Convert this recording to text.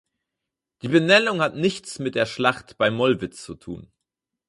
Die Benennung hat nichts mit der Schlacht bei Mollwitz zu tun.